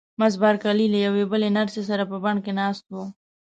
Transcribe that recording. مس بارکلي له یوې بلې نرسې سره په بڼ کې ناسته وه.